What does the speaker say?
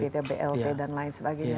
khusus untuk covid ya blt dan lain sebagainya